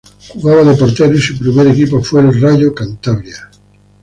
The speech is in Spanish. Jugaba de portero y su primer equipo fue el Rayo Cantabria.